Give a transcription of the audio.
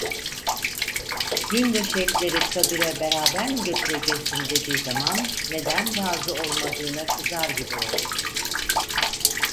Yün döşekleri kabire beraber mi götüreceksin? dediği zaman neden razı olmadığına kızar gibi oldu.